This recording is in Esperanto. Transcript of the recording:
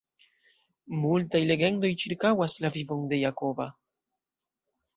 Multaj legendoj ĉirkaŭas la vivon de Jakoba.